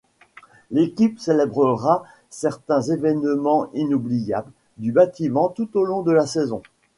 L'équipe célébrera certains événements inoubliables du bâtiment tout au long de la saison.